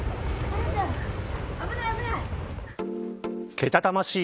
けたたましい